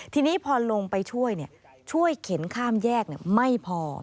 ทีนี้พอลงไปช่วยช่วยเข็นข้ามแยกไม่พอ